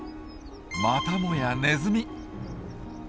またもやネズミ。